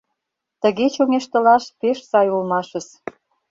Тыге чоҥештылаш пеш сай улмашыс.